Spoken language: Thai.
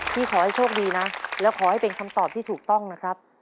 ขอให้โชคดีนะแล้วขอให้เป็นคำตอบที่ถูกต้องนะครับ